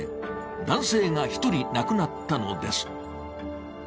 男性が１人亡くなったのです。